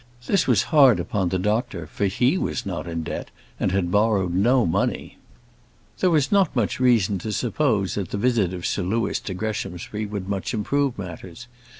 This was hard upon the doctor, for he was not in debt, and had borrowed no money. There was not much reason to suppose that the visit of Sir Louis to Greshamsbury would much improve matters.